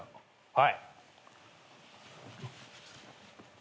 はい。